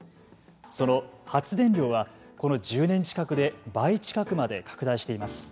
その発電量は、この１０年近くで倍近くまで拡大しています。